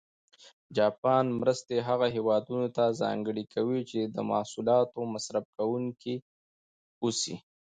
جاپان مرستې هغه هېوادونه ته ځانګړې کوي چې د محصولاتو مصرف کوونکي و اوسي.